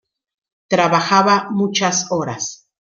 Trabajaba muchas horas.